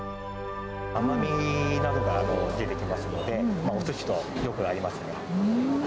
甘みなどが出てきますので、おすしとはよく合いますね。